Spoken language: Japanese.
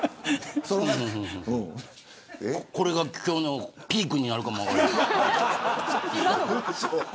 これが今日のピークになるかも分からん。